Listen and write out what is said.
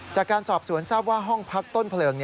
จากการสอบสวนทราบว่าห้องพักต้นเพลิง